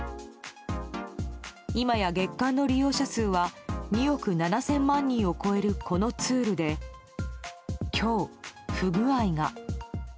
今や、月間の利用者数は２億７０００万人を超えるこのツールで今日、不具合が。